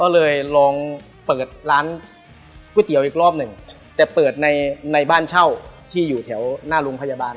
ก็เลยลองเปิดร้านก๋วยเตี๋ยวอีกรอบหนึ่งแต่เปิดในในบ้านเช่าที่อยู่แถวหน้าโรงพยาบาล